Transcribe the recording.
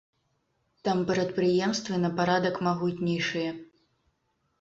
Там прадпрыемствы на парадак магутнейшыя.